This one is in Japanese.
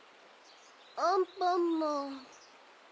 アンパンマン。